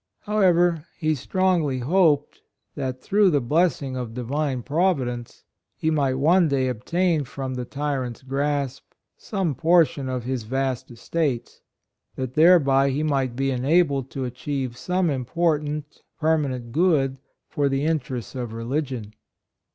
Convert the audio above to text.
However, he strongly hoped that through the blessing of Divine Providence, he might one day ob tain from the tyrant's grasp, some portion of his vast estates, that thereby he might be enabled to achieve some important, perma nent good for the interests of re lio ion.